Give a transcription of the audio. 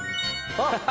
あっ！